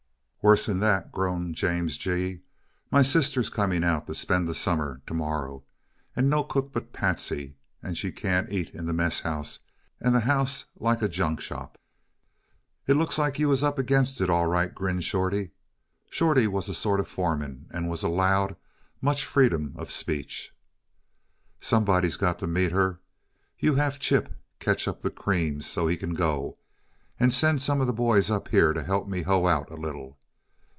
"Worse than that," groaned James G. "My sister's coming out to spend the summer t' morrow. And no cook but Patsy and she can't eat in the mess house and the house like a junk shop!" "It looks like you was up against it, all right," grinned Shorty. Shorty was a sort of foreman, and was allowed much freedom of speech. "Somebody's got to meet her you have Chip catch up the creams so he can go. And send some of the boys up here to help me hoe out a little.